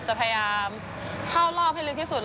จะพยายามเข้ารอบให้ลึกที่สุด